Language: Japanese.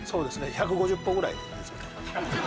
１５０歩ぐらいですよね